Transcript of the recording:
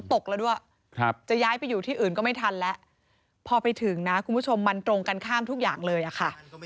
ตกแล้วด้วยจะย้ายไปอยู่ที่อื่นก็ไม่ทันแล้วพอไปถึงนะคุณผู้ชมมันตรงกันข้ามทุกอย่างเลยอะค่ะ